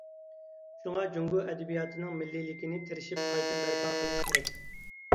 شۇڭا جۇڭگو ئەدەبىياتنىڭ مىللىيلىكىنى تىرىشىپ قايتا بەرپا قىلىش كېرەك.